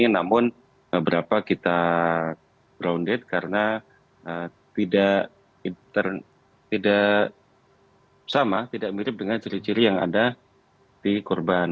namun beberapa kita brownded karena tidak sama tidak mirip dengan ciri ciri yang ada di korban